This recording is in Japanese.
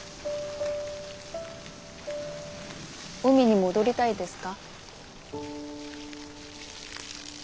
海に戻りたいですか？